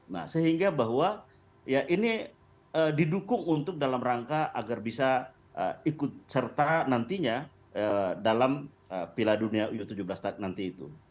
nah sehingga bahwa ya ini didukung untuk dalam rangka agar bisa ikut serta nantinya dalam piala dunia u tujuh belas nanti itu